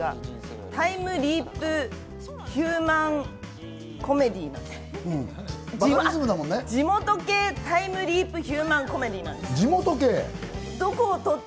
このドラマのキャッチコピーがタイムリープヒューマンコメディー、地元系タイムリープヒューマンコメディーなんです。